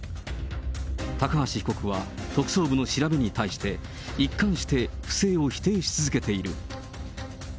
高橋被告は、特捜部の調べに対して、一貫して不正を否定し続けている。